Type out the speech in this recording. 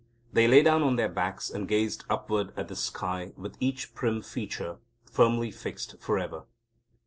They lay down on their backs, and gazed upward at the sky with each prim feature firmly fixed for ever.